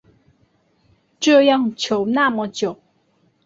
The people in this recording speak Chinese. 这样求那么久